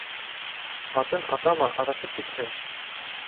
Атын атама, аҙашып китһен.